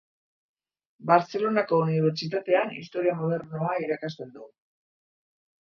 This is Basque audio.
Bartzelonako Unibertsitatean Historia Modernoa irakasten du.